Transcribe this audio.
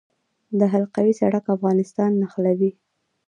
د حلقوي سړک افغانستان نښلوي